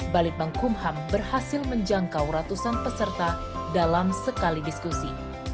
balitbang kumham berhasil menjangkau ratusan peserta dalam sekali diskusi